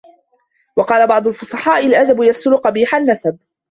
وَقَالَ بَعْضُ الْفُصَحَاءِ الْأَدَبُ يَسْتُرُ قَبِيحَ النَّسَبِ